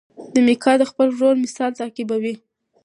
میکا د خپل ورور مثال تعقیبوي.